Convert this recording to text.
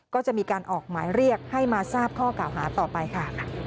ก็จะมีการออกหมายเรียกให้มาทราบข้อกล่าวหาต่อไปค่ะ